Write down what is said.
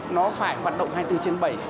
nó phải hoạt động hai mươi bốn trên bảy